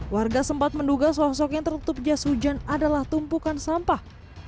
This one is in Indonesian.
warga sempat menduga sosok yang tertutup jas hujan adalah tumpukan sampah